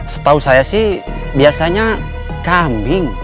setahu saya sih biasanya kambing